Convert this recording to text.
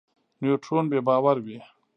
نیوترون بې بار وي.